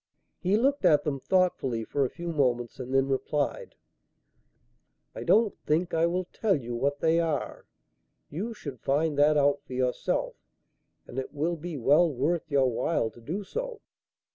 He looked at them thoughtfully for a few moments and then replied: "I don't think I will tell you what they are. You should find that out for yourself, and it will be well worth your while to do so.